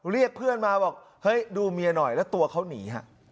เรียกเพื่อนมาบอกเฮ้ยดูเมียหน่อยแล้วตัวเขาหนีฮะ